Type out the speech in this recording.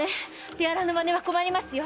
手荒な真似は困りますよ。